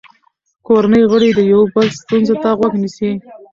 کورنۍ غړي د یو بل ستونزو ته غوږ نیسي